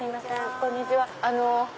こんにちは。